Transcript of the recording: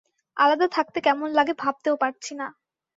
আলাদা থাকতে কেমন লাগে ভাবতেও পারছি না।